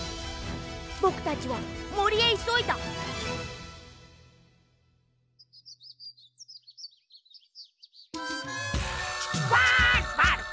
ぼくたちはもりへいそいだワルワル！